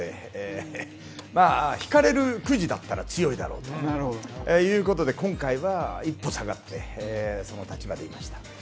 引かれるくじだったら強いだろうということで今回は一歩下がってその立場でいました。